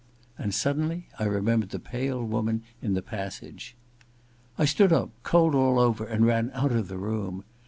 And suddenly I remembered the pale woman in the passage. I stood up, cold all over, and ran out of the room.